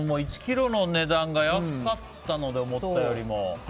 １ｋｇの値段が安かったので思ったよりも。